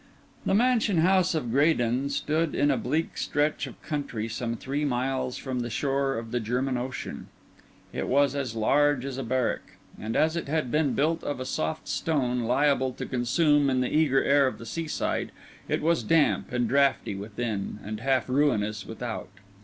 The mansion house of Graden stood in a bleak stretch of country some three miles from the shore of the German Ocean. It was as large as a barrack; and as it had been built of a soft stone, liable to consume in the eager air of the seaside, it was damp and draughty within and half ruinous without.